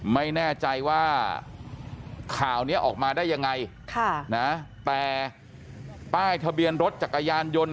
ไม่แน่ใจว่าข่าวนี้ออกมาได้ยังไงแต่ป้ายทะเบียนรถจักรยานยนต์